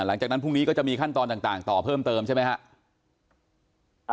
หลังจากนั้นพรุ่งนี้ก็จะมีขั้นตอนต่างต่อเพิ่มเติมใช่ไหมครับ